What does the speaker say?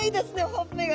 ほっぺが。